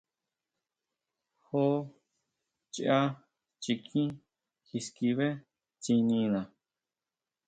Jo chʼá chikí kiskibé tsinina.